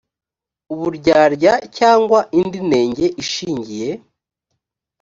uburyarya cyangwa indi nenge ishingiye